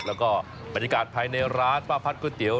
แล้วก็บรรยากาศภายในร้านป้าพัดก๋วเตี๋ย